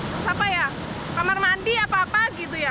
terus apa ya kamar mandi apa apa gitu ya